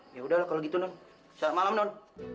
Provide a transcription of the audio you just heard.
ya udah lah kalo gitu selamat malam non